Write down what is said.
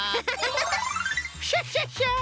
クシャシャシャ！